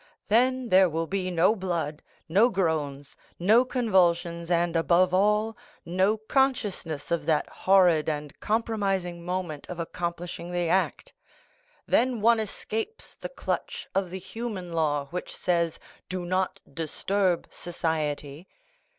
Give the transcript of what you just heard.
Then there will be no blood, no groans, no convulsions, and above all, no consciousness of that horrid and compromising moment of accomplishing the act,—then one escapes the clutch of the human law, which says, 'Do not disturb society!